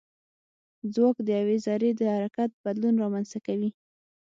ځواک د یوې ذرې د حرکت بدلون رامنځته کوي.